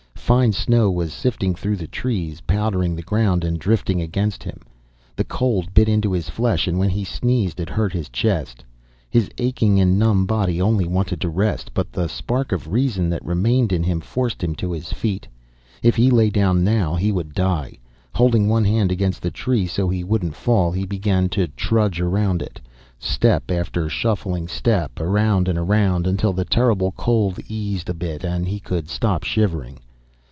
Fine snow was sifting through the trees, powdering the ground and drifting against him. The cold bit into his flesh, and when he sneezed it hurt his chest. His aching and numb body only wanted rest, but the spark of reason that remained in him, forced him to his feet. If he lay down now, he would die. Holding one hand against the tree so he wouldn't fall, he began to trudge around it. Step after shuffling step, around and around, until the terrible cold eased a bit and he could stop shivering.